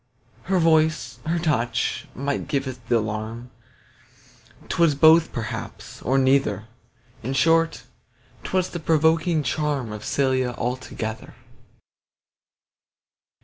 Her voice, her touch, might give th' alarm 'Twas both perhaps, or neither; In short, 'twas that provoking charm Of Cælia altogether.